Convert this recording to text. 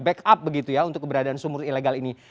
back up begitu ya untuk keberadaan sumur ilegal ini